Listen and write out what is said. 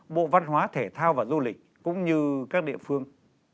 bộ văn hóa thể thao và du lịch cũng như các địa phương